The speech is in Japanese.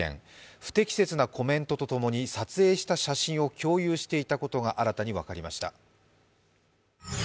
不適切なコメントとともに、撮影した写真を共有していたことが新たに分かりました。